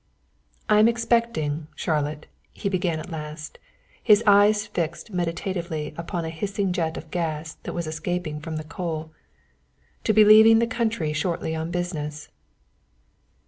"I am expecting, Charlotte," he began at last, his eyes fixed meditatively upon a hissing jet of gas that was escaping from the coal, "to be leaving the country shortly on business."